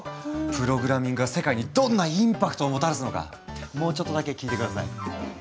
プログラミングは世界にどんなインパクトをもたらすのかもうちょっとだけ聞いて下さい。